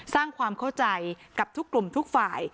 สร้างความเข้าใจกับทุกกลุ่มทุกฝ่าย